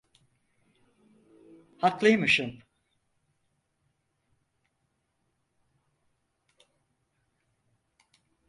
Haklıymışım.